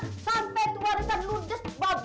sampai itu warisan lo just